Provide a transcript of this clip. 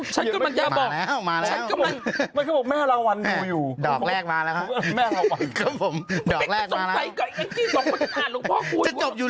จะจบอยู่แล้วเนี่ย